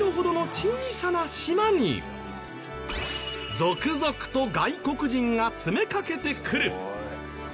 続々と外国人が詰めかけてくる。